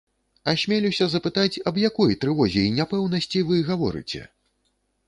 Асмелюся запытаць, аб якой трывозе і няпэўнасці вы гаворыце?